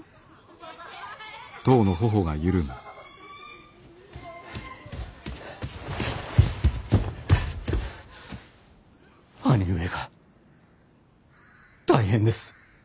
兄上が大変です。